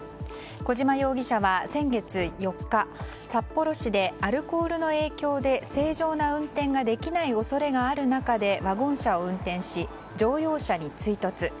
小島容疑者は先月４日札幌市でアルコールの影響で正常な運転ができない恐れがある中でワゴン車を運転し乗用車に追突。